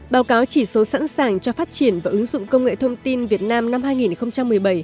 báo cáo chỉ số sẵn sàng cho phát triển và ứng dụng công nghệ thông tin việt nam năm hai nghìn một mươi bảy